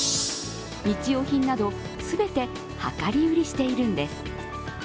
日用品など全て量り売りしているんです。